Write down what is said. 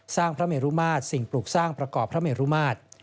สร้างพระเมรุมาตรสิ่งปลูกสร้างพระเมรุมาตร